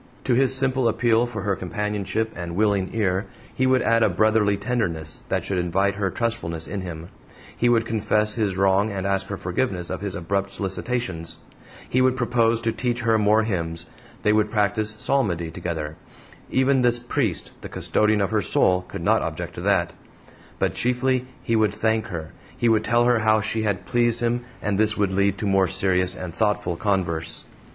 To his simple appeal for her companionship and willing ear he would add a brotherly tenderness, that should invite her trustfulness in him; he would confess his wrong and ask her forgiveness of his abrupt solicitations; he would propose to teach her more hymns, they would practice psalmody together; even this priest, the custodian of her soul, could not object to that; but chiefly he would thank her: he would tell her how she had pleased him, and this would lead to more serious and thoughtful converse.